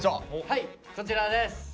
はいこちらです。